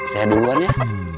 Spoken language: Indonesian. saya duluan ya